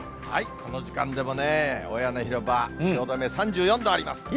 この時間でもね、大屋根広場、汐留、３４度あります。